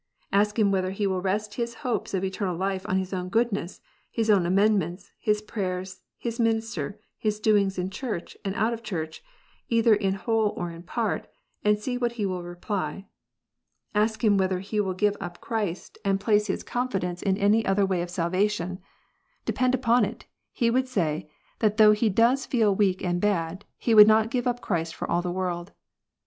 Ask him whether he will rest his hopes of eternal life on his own goodness, his own /C amendments, his prayers, his minister, his doings in church and/{ out of church, either in whole or in part, and see what he will jneply. Ask him whether he will give up Christ, and place 126 KNOTS UNTIED. ^confidence in any other way of salvation. Depend upon it, he fctvould say, that though he does feel weak and bad, he would not give up Christ for all the world.